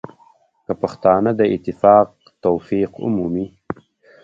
که پښتانه د اتفاق توفیق ومومي.